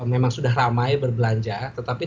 memang sudah ramai berbelanja tetapi